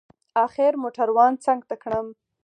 اخر موټروان څنگ ته کړم.